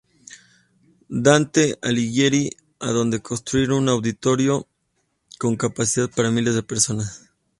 Dante Alighieri, adonde construir un "auditorio", con capacidad para miles de personas.